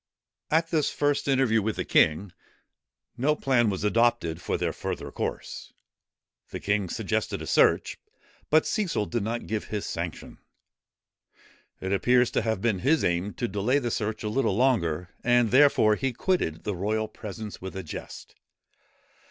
At this first interview with the king, no plan was adopted for their further course. The king suggested a search; but Cecil did not give his sanction. It appears to have been his aim to delay the search a little longer; and, therefore, he quitted the royal presence with a jest.